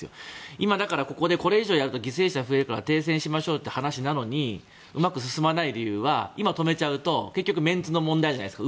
今、これ以上やると犠牲者が増えるから停戦しましょうという話なのにうまく進まない理由は今、止めちゃうとメンツの問題じゃないですか。